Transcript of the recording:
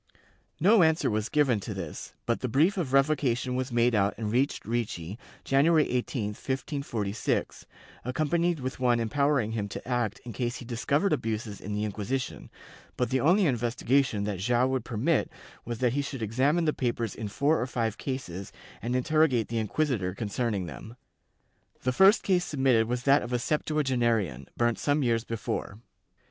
No answer was given to this, but the brief of revocation was made out and reached Ricci, January 18, 1546, accompanied with one empowering him to act in case he discovered abuses in the Inquisition, but the only investigation that Joao would permit was that he should examine the papers in four or five cases and interrogate the inquisitor con cerning them. The first case submitted was that of a septua genarian, burnt some years before.